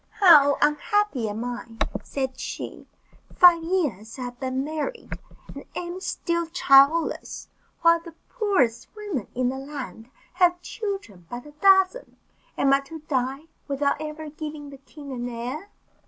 "How unhappy am I," said she; "five years I have been married, and am still childless, while the poorest women in the land have children by the dozen. Am I to die without ever giving the king an heir?"